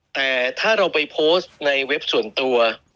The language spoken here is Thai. แต่ถ้าเราไปโพสต์ในเว็บส่วนตัว